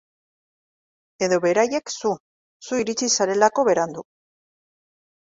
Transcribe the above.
Edo beraiek zu, zu iritsi zarelako berandu.